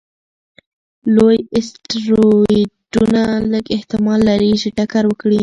لوی اسټروېډونه لږ احتمال لري چې ټکر وکړي.